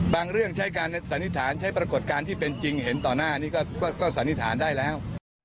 เรื่องใช้การสันนิษฐานใช้ปรากฏการณ์ที่เป็นจริงเห็นต่อหน้านี่ก็สันนิษฐานได้แล้ว